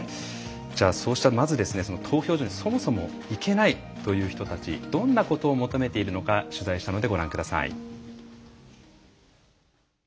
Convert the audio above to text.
じゃあそうしたまず投票所にそもそも行けないという人たちどんなことを求めているのか取材したのでご覧ください。